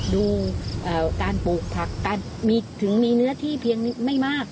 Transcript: ดูการปลูกผักถึงมีเนื้อที่เพียงไม่มาก